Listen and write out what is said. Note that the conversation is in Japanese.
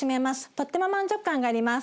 とっても満足感があります。